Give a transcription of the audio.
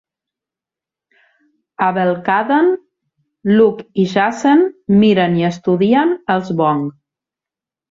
A Belkaden, Luke i Jacen miren i estudien els Vong.